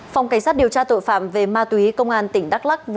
phòng cảnh sát điều tra tội phạm về ma túy công an tỉnh đắk lắc